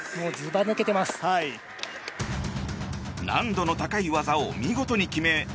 難度の高い技を見事に決め